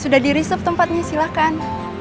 sudah di resep tempatnya silakan